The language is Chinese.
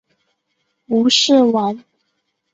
吴氏亡。